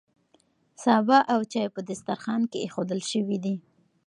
سابه او چای په دسترخوان کې ایښودل شوي دي.